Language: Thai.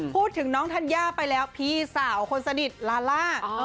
พูดถึงน้องธัญญาไปแล้วพี่สาวคนสนิทลาล่า